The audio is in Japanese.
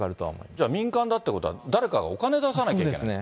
じゃあ、民間だってことは、誰かがお金出さなきゃいけない。